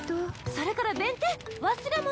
それから弁天忘れ物！